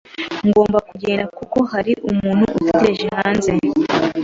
Ngomba kugenda kuko hari umuntu utegereje hanze.